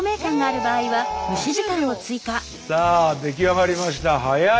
さあ出来上がりました早い！